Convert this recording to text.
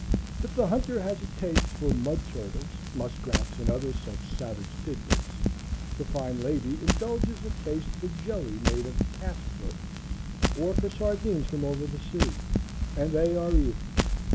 If the hunter has a taste for mud turtles, muskrats, and other such savage tid bits, the fine lady indulges a taste for jelly made of a calf's foot, or for sardines from over the sea, and they are even.